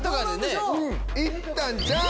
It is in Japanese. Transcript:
いったんちゃうん？